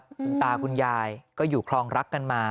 คุณตาคุณยายก็อยู่ครองรักกันมา